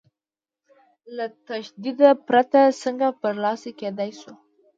له تشدد پرته څنګه برلاسي کېدای شو؟